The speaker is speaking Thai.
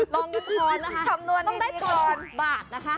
ลองนึกค่อยนะคะต้องได้จ่าย๑บาทนะคะ